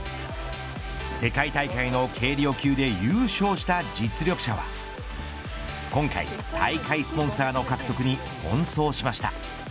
世界大会の軽量級で優勝した実力者は今回、大会スポンサーの獲得に奔走しました。